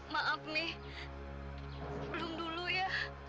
maaf nih belum dulu ya